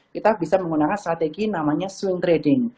kita bisa menggunakan strategi namanya swing trading